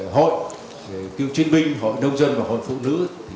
hội kiêu chuyên binh hội nông dân và hội phụ nữ